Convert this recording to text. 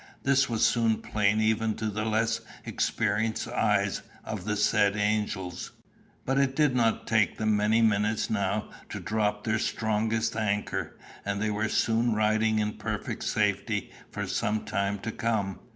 This was soon plain even to the less experienced eyes of the said angels. But it did not take them many minutes now to drop their strongest anchor, and they were soon riding in perfect safety for some time to come.